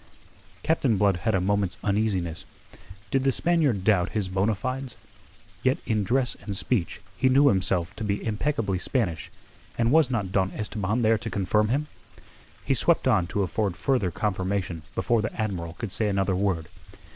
Captain Blood had a moment's uneasiness. Did the Spaniard doubt his bona fides? Yet in dress and speech he knew himself to be impeccably Spanish, and was not Don Esteban there to confirm him? He swept on to afford further confirmation before the Admiral could say another word.